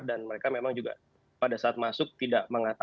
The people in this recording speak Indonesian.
dan mereka memang juga pada saat masuk tidak mengatakan